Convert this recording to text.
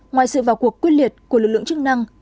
ngoài sự vào cuộc quyết liệt của lực lượng chức năng